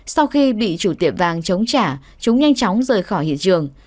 sau khi bị chủ tiệm vàng chống trả chúng nhanh chóng rời khỏi hiện trường